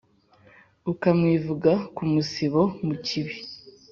ukamwivuga ku musibo, mu kibi